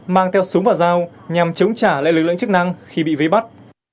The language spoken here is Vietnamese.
mang theo súng và dao nhằm chống trả lệ lực lượng chức năng khi bị vây bắt